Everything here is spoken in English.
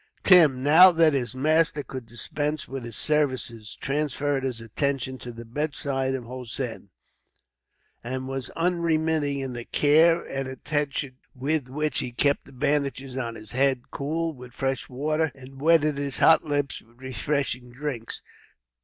Tim, now that his master could dispense with his services, transferred his attentions to the bedside of Hossein, and was unremitting in the care and attention with which he kept the bandages on his head cool with fresh water, and wetted his hot lips with refreshing drinks.